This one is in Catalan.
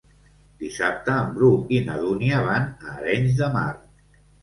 Dissabte en Bru i na Dúnia van a Arenys de Mar.